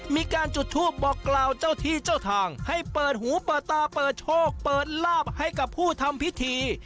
มีการจุดทูปบอกกล่าวเจ้าที่เจ้าทางให้เปิดหูเปิดตาเปิดโชคเปิดลาบให้กับผู้ทำพิธี